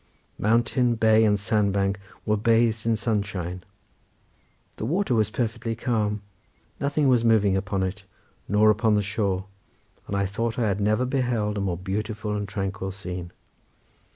Mountain, bay, and sandbank were bathed in sunshine; the water was perfectly calm; nothing was moving upon it, nor upon the shore, and I thought I had never beheld a more beautiful and tranquil scene.